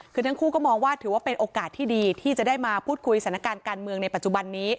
คือทั้งคู่ก็มองว่าถือว่าเป็นโอกาสที่ดีที่จะได้มาพูดคุยสถานการณ์การเมืองในปัจจุบันนี้